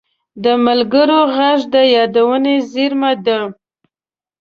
د ملګرو غږ د یادونو زېرمه ده